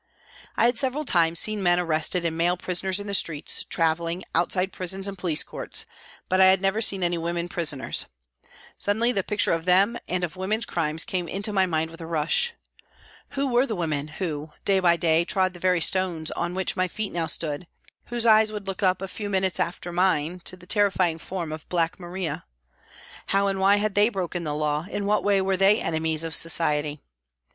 I had several times seen men arrested and male prisoners in the streets, travelling, outside prisons and police courts, but I had never seen any women prisoners. Suddenly the picture of them and of 62 PRISONS AND PRISONERS women's crimes came into my mind with a rush. Who were the women who, day by day, trod the very stones on which my feet now stood, whose eyes would look up, a few minutes after mine, to the terrifying form of Black Maria ? How and why had they broken the law, in what way were they enemies of Society